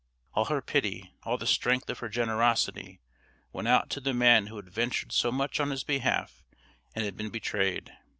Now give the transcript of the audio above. All her pity, all the strength of her generosity, went out to the man who had ventured so much on his behalf and been betrayed.